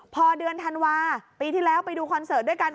พอเดือนธันวาปีที่แล้วไปดูคอนเสิร์ตด้วยกัน